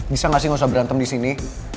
bisa gak sih gak usah berantem di sini